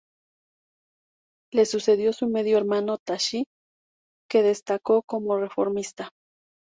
Le sucedió su medio hermano Tashi, que destacó como reformista.